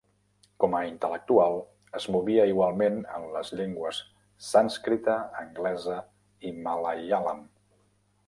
Com a intel·lectual, es movia igualment en les llengües sànscrita, anglesa i malaiàlam.